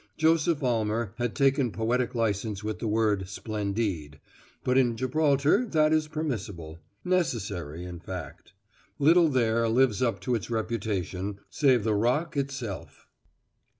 Joseph Almer had taken poetic license with the word "splendide"; but in Gibraltar that is permissible; necessary, in fact. Little there lives up to its reputation save the Rock itself.